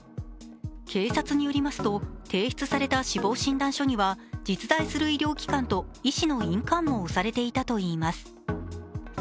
警察によりますと、提出された死亡診断書には、実在する医療機関と医師の印鑑も押されていたといいます。